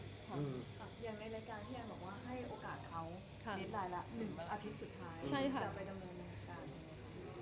อย่างในรายการที่ยังบอกว่าให้โอกาสเขา๑อาทิตย์สุดท้ายจะไปดำเนินอาหาร